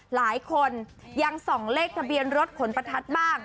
หลายคนยังส่องเลขทะเบียนรถขนประทัดบ้าง